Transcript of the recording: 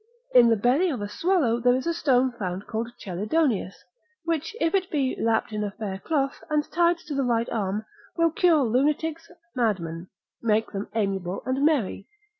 In the belly of a swallow there is a stone found called chelidonius, which if it be lapped in a fair cloth, and tied to the right arm, will cure lunatics, madmen, make them amiable and merry.